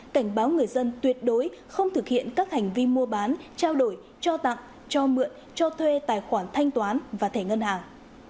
cảnh báo người dân tuyệt đối không thực hiện các hành vi mua bán trao đổi cho tặng cho mượn cho thuê tài khoản thanh toán và thẻ ngân hàng